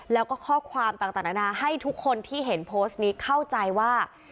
แล้วก็ข้อความต่างนานาให้ทุกคนที่เห็นโพสต์นี้เข้าใจว่า